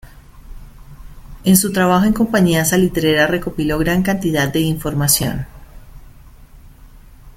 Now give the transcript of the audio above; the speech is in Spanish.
En su trabajo en compañías salitreras recopiló gran cantidad de información.